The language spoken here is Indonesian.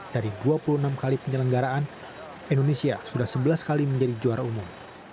dari dua puluh enam kali penyelenggaraan indonesia sudah sebelas kali menjadi juara umum